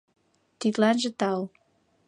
Тидланже тау.